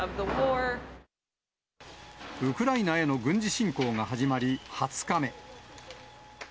ウクライナへの軍事侵攻が始まり、２０日目。